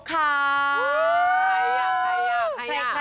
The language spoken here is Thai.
ใครอ่ะใครอ่ะใครอ่ะ